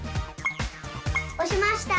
おしました！